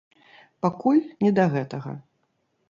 Пакуль не да гэтага.